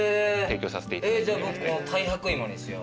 じゃあ僕この太白芋にしよ。